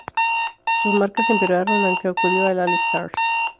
Sus marcas empeoraron, aunque acudió al All-Star.